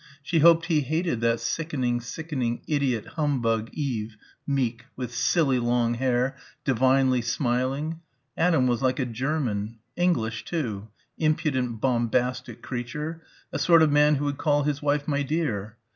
She hoped he hated that sickening, sickening, idiot humbug, Eve ... meek ... with silly long hair ... "divinely smiling" ... Adam was like a German ... English too.... Impudent bombastic creature ... a sort of man who would call his wife "my dear."